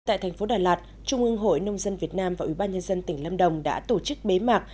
tại thành phố đà lạt trung ương hội nông dân việt nam và ủy ban nhân dân tỉnh lâm đồng đã tổ chức bế mạc